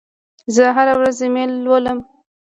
زه هره ورځ ایمیل لولم.